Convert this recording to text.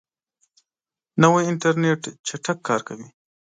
نوی انټرنیټ چټک کار کوي